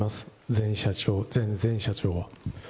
前社長、前々社長は。